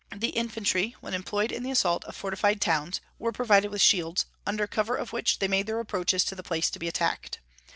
The infantry, when employed in the assault of fortified towns, were provided with shields, under cover of which they made their approaches to the place to be attacked.